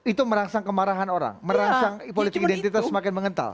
itu merangsang kemarahan orang merangsang politik identitas semakin mengental